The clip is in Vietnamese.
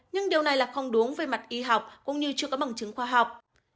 nhưng điều này là không đúng về mặt y học cũng như chưa có bằng chứng khoa học